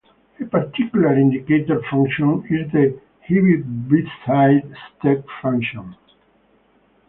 A particular indicator function is the Heaviside step function.